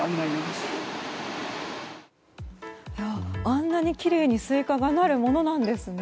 あんなにきれいにスイカがなるものなんですね。